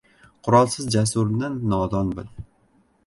— Qurolsiz jasurni nodon bil.